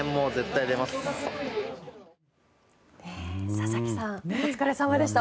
佐々木さんお疲れ様でした。